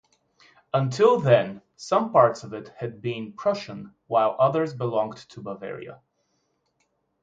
Until then, some parts of it had been Prussian while others belonged to Bavaria.